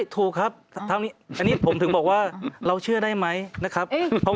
ถูกครับเท่านี้อันนี้ผมถึงบอกว่าเราเชื่อได้ไหมนะครับ